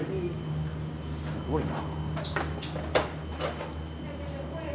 すごいな。